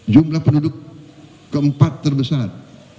jumlah penduduk keempat terbesar